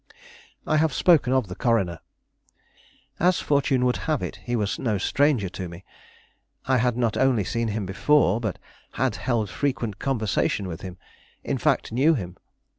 I have spoken of the coroner. As fortune would have it, he was no stranger to me. I had not only seen him before, but had held frequent conversation with him; in fact, knew him.